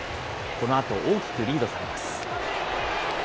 このあと、大きくリードされます。